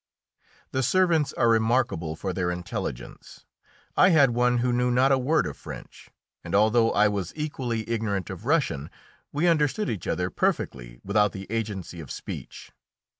The servants are remarkable for their intelligence. I had one who knew not a word of French, and although I was equally ignorant of Russian we understood each other perfectly without the agency of speech.